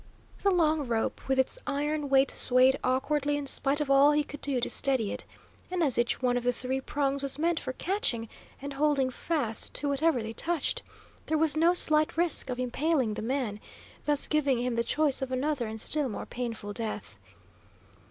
The long rope with its iron weight swayed awkwardly in spite of all he could do to steady it, and as each one of the three prongs was meant for catching and holding fast to whatever they touched, there was no slight risk of impaling the man, thus giving him the choice of another and still more painful death.